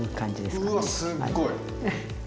うわすっごい！